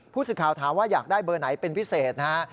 ผู้สื่อข่าวถามว่าอยากได้เบอร์ไหนเป็นพิเศษนะฮะ